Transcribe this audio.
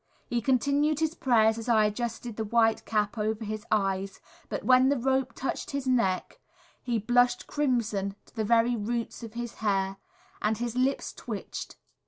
He continued his prayers as I adjusted the white cap over his eyes, but when the rope touched his neck he blushed crimson to the very roots of his hair, and his lips twitched.